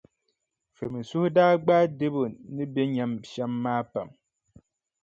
Femi suhu daa gbaai Debo ni be nyam shɛm maa pam.